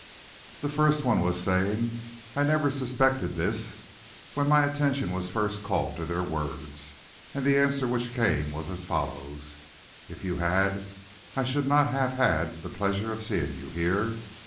The first one was saying, 'I never suspected this,' when my attention was first called to their words, and the answer which came was as follows: 'If you had, I should not have had the pleasure of seeing you here.